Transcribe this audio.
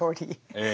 ええ。